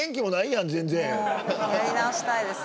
やり直したいです。